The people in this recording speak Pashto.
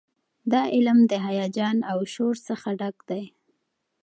دا علم د هیجان او شور څخه ډک دی.